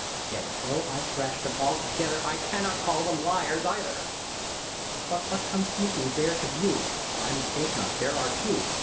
Yet, though I thresh them all together, I cannot call them liars, either. But what comes sneaking, there, to view? If I mistake not, there are two.